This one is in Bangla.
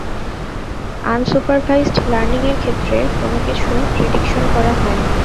আনসুপারভাইজড লার্নিং এর ক্ষেত্রে কোন কিছু প্রিডিকশন করা হয় না।